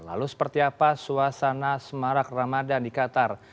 lalu seperti apa suasana semarak ramadan di qatar